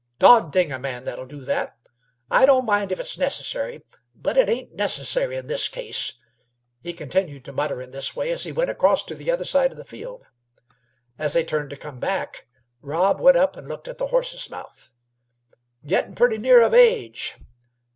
"Dod ding a man that'll do that! I don't mind if it's necessary, but it ain't necessary in his case." He continued to mutter in this way as he went across to the other side of the field. As they turned to come back, Rob went up and looked at the horse's mouth. "Gettin' purty near of age.